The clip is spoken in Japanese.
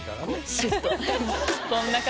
シュっ！と。